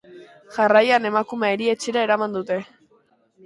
Jarraian, emakumea erietxera eraman dute.